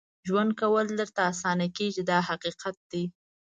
ژوند کول درته اسانه کېږي دا حقیقت دی.